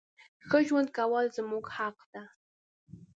ښه ژوند کول زموږ حق ده.